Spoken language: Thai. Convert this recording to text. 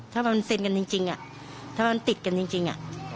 ถ้าว่ามันเซ็นกันจริงอะถ้าว่ามันติดกันจริงอะ